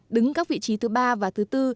đứng các vị trí thứ ba và thứ bốn